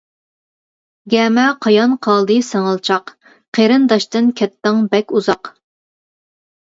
گەمە قايان قالدى سىڭىلچاق، قېرىنداشتىن كەتتىڭ بەك ئۇزاق.